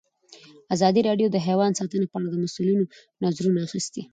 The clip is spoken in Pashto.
ازادي راډیو د حیوان ساتنه په اړه د مسؤلینو نظرونه اخیستي.